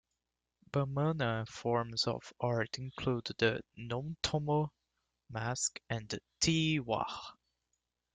Bamana forms of art include the "n'tomo" mask and the Tyi Warra.